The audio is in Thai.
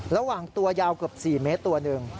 ระหว่างตัวยาวเกือบ๔เมตรตัวหนึ่ง